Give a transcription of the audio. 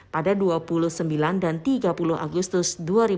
pada dua puluh sembilan dan tiga puluh agustus dua ribu dua puluh